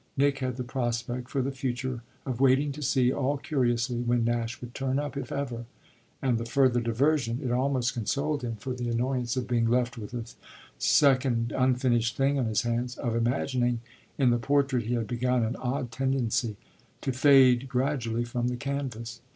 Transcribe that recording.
Nick had the prospect, for the future, of waiting to see, all curiously, when Nash would turn up, if ever, and the further diversion it almost consoled him for the annoyance of being left with a second unfinished thing on his hands of imagining in the portrait he had begun an odd tendency to fade gradually from the canvas.